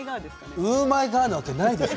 ウーマイガー！じゃないですよ。